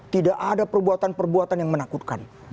tidak ada perbuatan perbuatan yang menakutkan